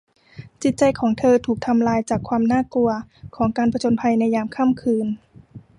จิตใจของเธอถูกทำลายจากความน่ากลัวของการผจญภัยในยามค่ำคืน